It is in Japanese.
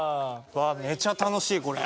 めちゃ楽しいこれ。